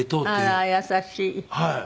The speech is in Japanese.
あら優しい。